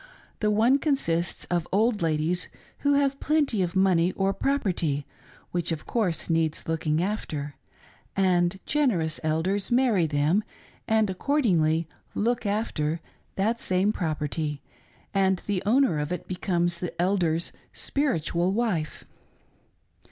The: one con ., sists of old ladies who have plenty of money or propertyi which of course needs looking after ; and generous Eldersi marry them, and accordingly " look after " that same property, and the owner of it becomes the Elder's spirihial wife.